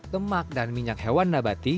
lemak dan minyak hewan nabati